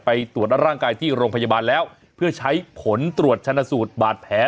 ไปตรวจร่างกายที่โรงพยาบาลแล้วเพื่อใช้ผลตรวจชนะสูตรบาดแผล